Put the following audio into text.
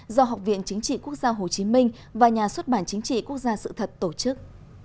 do học viện chính trị quốc gia hồ chí minh và nhà xuất bản chính trị quốc gia sự thật tổ chức